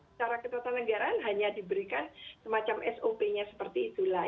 secara ketatanegaraan hanya diberikan semacam sop nya seperti itulah